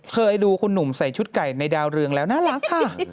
เคยดูคุณหนุ่มใส่ชุดไก่ในดาวเรืองแล้วน่ารักค่ะ